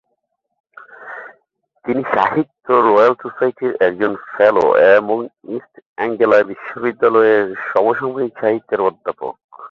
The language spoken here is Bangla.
তিনি সাহিত্য রয়্যাল সোসাইটির একজন ফেলো এবং ইস্ট এঙ্গেলায় বিশ্ববিদ্যালয়ের সমসাময়িক সাহিত্যের অধ্যাপক।